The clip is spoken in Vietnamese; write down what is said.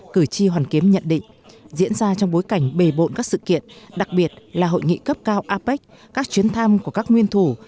cử tri hoàn kiếm nhận định diễn ra trong bối cảnh bề bộn các sự kiện đặc biệt là hội nghị cấp cao apec các chuyến thăm của các nguyên thủ